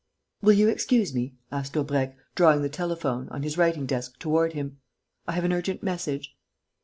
"Will you excuse me?" asked Daubrecq, drawing the telephone, on his writing desk, toward him. "I have an urgent message."